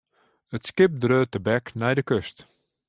It skip dreau tebek nei de kust.